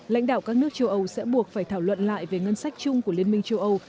lãnh đạo các nước châu âu sẽ buộc phải thảo luận lại về ngân sách chung của liên minh châu âu